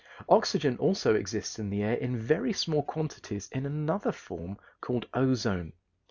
Oxygen also exists in the air in very small quantities in another form called ozone.